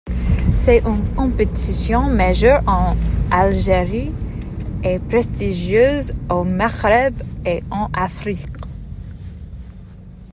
C'est une compétition majeur en Algérie et prestigieuse au Maghreb et en Afrique.